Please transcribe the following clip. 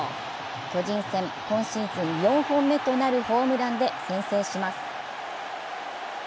巨人戦、今シーズン４本目となるホームランで先制します。